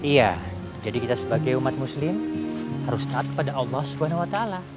iya jadi kita sebagai umat muslim harus taat kepada allah swt